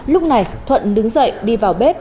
lúc này thuận đứng dậy đi vào bếp